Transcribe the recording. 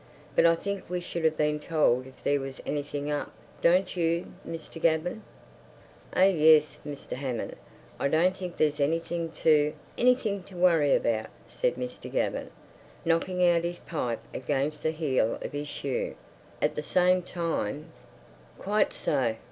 "But I think we should have been told if there was anything up—don't you, Mr. Gaven?" "Oh, yes, Mr. Hammond! I don't think there's anything to—anything to worry about," said Mr. Gaven, knocking out his pipe against the heel of his shoe. "At the same time—" "Quite so!